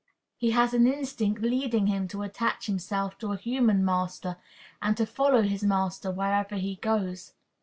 He has an instinct leading him to attach himself to a human master, and to follow his master wherever he goes.